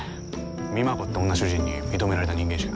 美摩子って女主人に認められた人間しか。